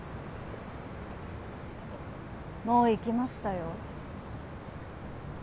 もう行きましたよ。